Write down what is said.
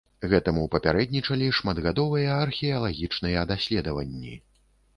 Гэтаму папярэднічалі шматгадовыя археалагічныя даследаванні.